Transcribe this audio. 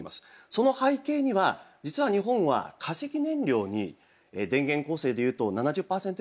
その背景には実は日本は化石燃料に電源構成でいうと７０％以上頼ってるんですね。